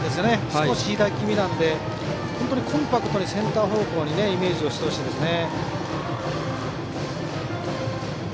少し開き気味なのでコンパクトにセンター方向をイメージしてほしいですね。